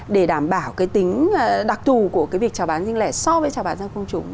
để đảm bảo cái tính đặc tù của cái việc trào bán riêng lẻ so với trào bán ra công chúng